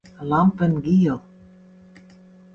Lampen giel.